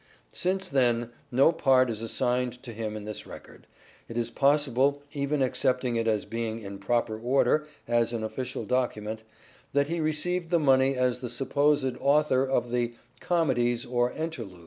Since, then, no part is assigned to him in this record, it is possible, even accepting it as being in proper order as an official document, that he received the money as the supposed author of the " comedies or enterludes."